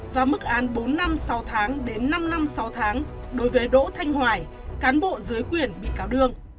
và mức án bốn năm sáu tháng đến năm năm sáu tháng đối với đỗ thanh hoài cán bộ dưới quyền bị cáo đương